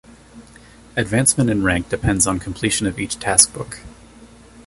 Advancement in rank depends on completion of each taskbook.